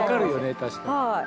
確かに。